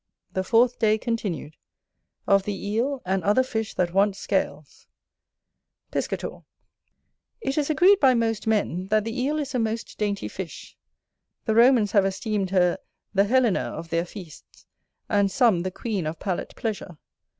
The fourth day continued Of the Eel, and other Fish that want Scales Chapter XIII Piscator It is agreed by most men, that the Eel is a most dainty fish: the Romans have esteemed her the Helena of their feasts; and some the queen of palate pleasure.